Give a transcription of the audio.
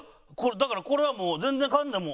だからこれはもう全然かがんでも。